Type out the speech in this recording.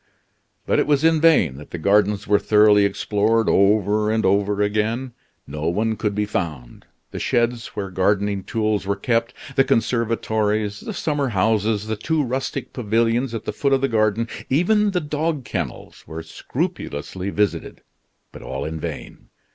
But it was in vain that the gardens were thoroughly explored over and over again; no one could be found. The sheds where gardening tools were kept, the conservatories, the summer houses, the two rustic pavilions at the foot of the garden, even the dog kennels, were scrupulously visited, but all in vain.